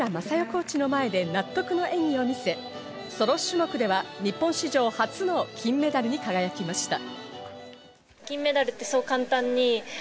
コーチの前で納得の演技を見せ、ソロ種目では日本史上初の金メダルに輝きました。